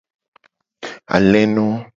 Aleno.